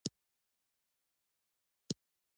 د قدرت او معرفت تر منځ رابطه وښييو